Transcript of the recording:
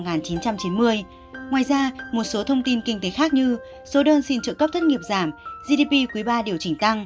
ngoài ra một số thông tin kinh tế khác như số đơn xin trợ cấp thất nghiệp giảm gdp quý ba điều chỉnh tăng